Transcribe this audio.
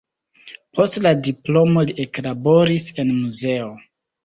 Post la diplomo li eklaboris en muzeo.